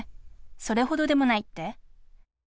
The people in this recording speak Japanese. それほどでもないって？